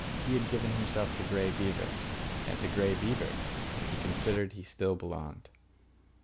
He had given himself to Grey Beaver, and to Grey Beaver he considered he still belonged.